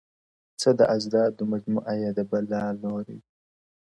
• څه د اضدادو مجموعه یې د بلا لوري_